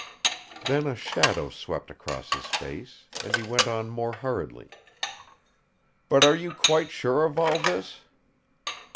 Then a shadow swept across his face; and he went on more hurriedly. "But are you quite sure of all this?"